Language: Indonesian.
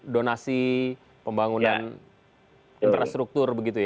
donasi pembangunan infrastruktur begitu ya